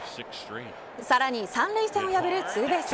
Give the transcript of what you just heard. さらに三塁線を破るツーベース。